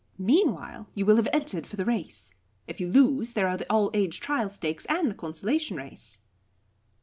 Meanwhile, you will have entered for the race. If you lose, there are the 'All aged Trial Stakes,' and the 'Consolation Race.'"